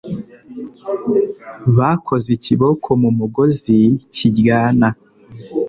Bakoze ikiboko mu mugozi ki ryana